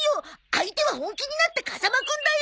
相手は本気になった風間くんだよ。